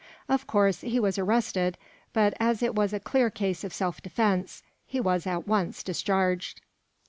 Of course he was arrested, but as it was a clear case of self defense, he was at once discharged.